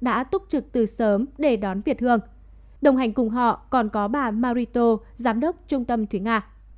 đã túc trực từ sớm để đón việt hương đồng hành cùng họ còn có bà marito giám đốc trung tâm thúy nga